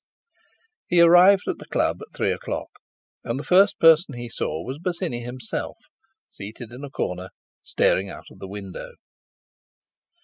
He arrived at the Club at three o'clock, and the first person he saw was Bosinney himself, seated in a corner, staring out of the window.